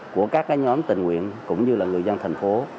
của các nhóm tình nguyện cũng như là người dân thành phố